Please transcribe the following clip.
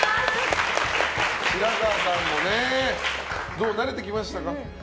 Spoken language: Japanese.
白河さんも慣れてきましたか？